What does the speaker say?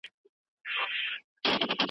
آیا کوچ تر غوړیو طبیعي دي؟